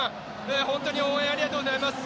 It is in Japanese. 本当に応援ありがとうございます。